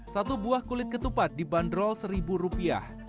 satu buah kulit ketupat dibanderol seribu rupiah